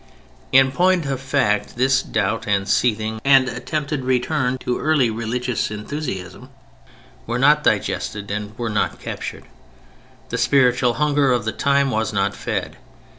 In point of fact this doubt and seething and attempted return to early religious enthusiasm were not digested and were not captured. The spiritual hunger of the time was not fed.